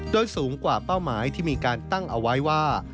โดยสูงกว่าเป้าหมายที่มีการตั้งเอาไว้ว่า